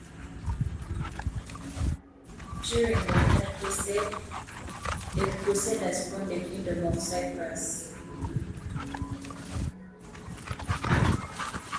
During the Third Crusade, the Crusaders founded the Kingdom of Cyprus.